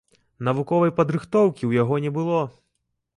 Навуковай падрыхтоўкі ў яго не было.